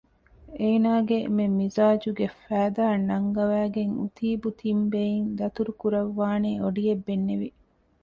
އޭނާގެ މި މިޒާޖުގެ ފައިދާ ނަންގަވައިގެން އުތީބު ތިން ބެއިން ދަތުރު ކުރައްވާނޭ އޮޑިއެއް ބެންނެވި